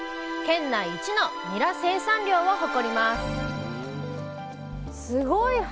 県内一のニラ生産量を誇りますすごい！